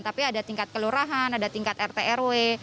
tapi ada tingkat kelurahan ada tingkat rtrw